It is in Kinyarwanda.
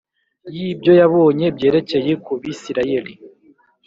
y’ibyo yabonye byerekeye ku Bisirayeli